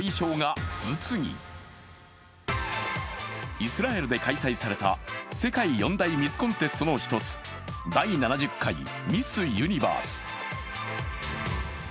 イスラエルで開催された世界４大ミスコンテストの一つ第７０回ミス・ユニバース。